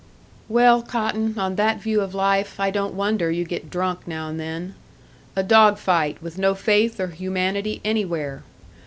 "Well, Cotton, on that view of life, I don't wonder you get drunk now and then. A dog fight, with no faith or humanity anywhere!